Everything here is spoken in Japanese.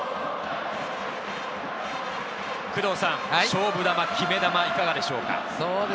勝負球、決め球、いかがでしょうか？